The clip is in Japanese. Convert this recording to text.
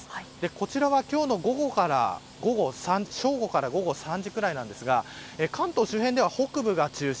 こちらは今日の正午から午後３時ぐらいなんですが関東周辺では北部が中心。